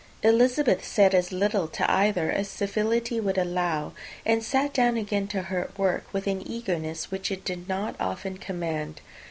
Elizabeth said as little to either as civility would allow, and sat down again to her work, with an eagerness which it did not often command.